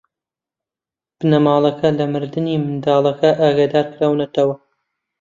بنەماڵەکە لە مردنی منداڵەکە ئاگادار کراونەتەوە.